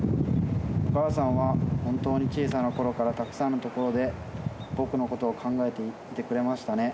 お母さんは本当に小さなころからたくさんのところで僕の事を考えていてくれましたね。